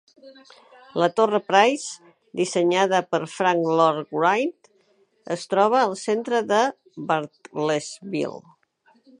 La torre Price, dissenyada per Frank Lloyd Wright, es troba al centre de Bartlesville.